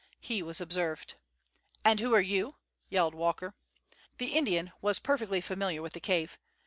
He was observed. "And who are you?" yelled Walker. The Indian was perfectly familiar with the cave.